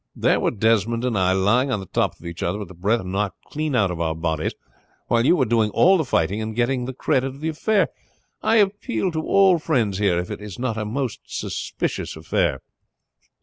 There were Desmond and I lying on the top of each other with the breath knocked clean out of our bodies, while you were doing all the fighting and getting the credit of the affair. I appeal to all friends here if it is not a most suspicious affair."